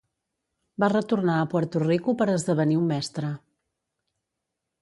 Va retornar a Puerto Rico per esdevenir un mestre.